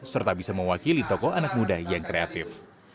serta bisa mewakili tokoh anak muda yang kreatif